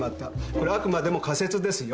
これはあくまでも仮説ですよ。